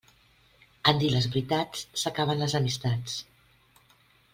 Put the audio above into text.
En dir les veritats s'acaben les amistats.